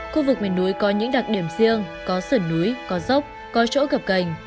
khu vực mềm núi có những đặc điểm riêng có sửa núi có dốc có chỗ gập cành